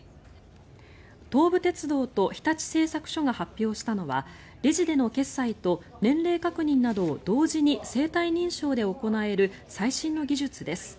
東武鉄道と日立製作所が発表したのは、レジでの決済と年齢確認などを同時に生体認証で行える最新の技術です。